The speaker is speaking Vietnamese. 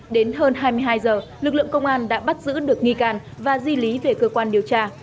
đến hơn hai mươi hai giờ lực lượng công an đã bắt giữ được nghi can và di lý về cơ quan điều tra